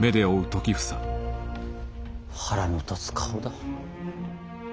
腹の立つ顔だ。